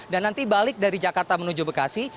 dan nanti balik dari jakarta menuju bekasi